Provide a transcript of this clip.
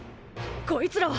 こいつらは？